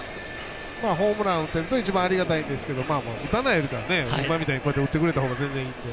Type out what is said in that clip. ホームラン打てると一番、ありがたいんですけど打たないよりかは今みたいに打ってくれたほうが全然いいので。